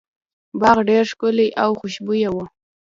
باغ ډیر ښکلی او خوشبويه و.